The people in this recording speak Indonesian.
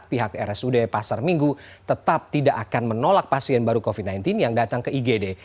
pihak rsud pasar minggu tetap tidak akan menolak pasien baru covid sembilan belas yang datang ke igd